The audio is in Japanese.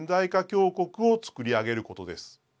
強国をつくり上げることです。